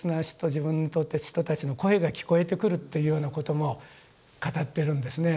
自分にとって人たちの声が聞こえてくるっていうようなことも語ってるんですね。